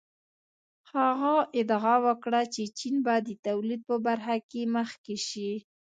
هغه ادعا وکړه چې چین به د تولید په برخه کې مخکې شي.